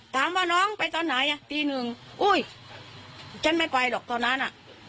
ถามว่าน้องไปตอนไหนตีหนึ่งอุ๊ยฉันไม่ไปหรอกตอนนั้น